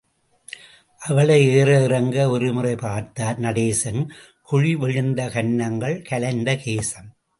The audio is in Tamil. அவளை ஏற இறங்க ஒருமுறைப் பார்த்தார் நடேசன், குழிவிழுந்த கன்னங்கள் கலைந்த கேசம்.